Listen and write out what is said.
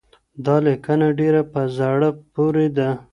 دا لیکنه ډېره په زړه پوري وه.